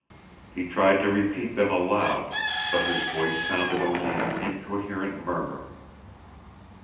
He tried to repeat them aloud, but his voice sounded only in an incoherent murmur.